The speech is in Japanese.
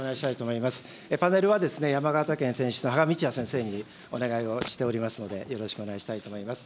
パネルは山形県選出、先生にお願いしておりますので、よろしくお願いしたいと思います。